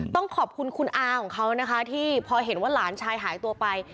ต้องขอบคุณคุณอาของเขานะคะที่พอเห็นว่าหลานชายหายตัวไป